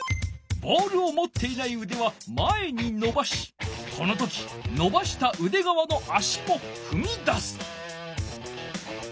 ボールをもっていないうでは前にのばしこの時のばしたうでがわの足もふみ出す。